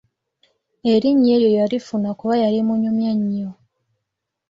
Erinnya eryo yalifuna kuba yali munyumya nnyo.